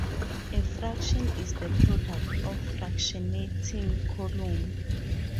A fraction is the product of a fractionating column.